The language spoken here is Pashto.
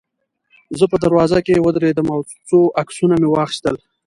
زه په دروازه کې ودرېدم او یو څو عکسونه مې واخیستل.